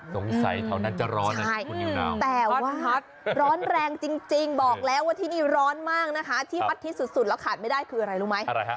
สงสัยเท่านั้นจะร้อนแต่ว่าร้อนแรงจริงบอกแล้วว่าที่นี่ร้อนมากนะคะที่วัดที่สุดแล้วขาดไม่ได้คืออะไรรู้ไหม